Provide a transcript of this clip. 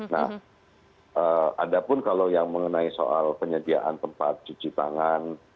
nah ada pun kalau yang mengenai soal penyediaan tempat cuci tangan